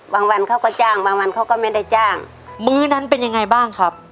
วันเขาก็จ้างบางวันเขาก็ไม่ได้จ้างมื้อนั้นเป็นยังไงบ้างครับ